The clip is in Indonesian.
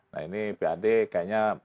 nah ini pad kayaknya